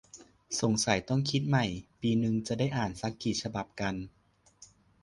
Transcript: สงสัยต้องคิดใหม่ ปีนึงจะได้อ่านซักกี่ฉบับกัน ?